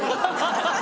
ハハハハ！